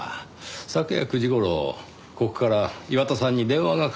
昨夜９時頃ここから岩田さんに電話がかけられたようです。